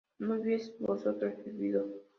¿no hubieseis vosotras vivido?